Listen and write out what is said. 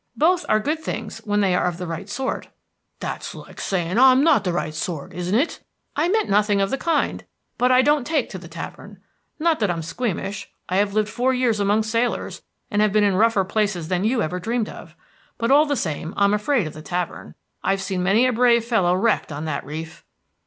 "Both are good things when they are of the right sort." "That's like saying I'm not the right sort, isn't it?" "I meant nothing of the kind. But I don't take to the tavern. Not that I'm squeamish; I have lived four years among sailors, and have been in rougher places than you ever dreamed of; but all the same I am afraid of the tavern. I've seen many a brave fellow wrecked on that reef."